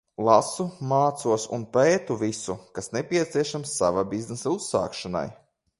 Lasu, mācos un pētu visu, kas nepieciešams sava biznesa uzsākšanai.